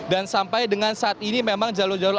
sampai dengan saat ini memang jalur jalur